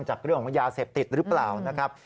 จากเรื่องของยาเสพติดหรือเปล่านะครับ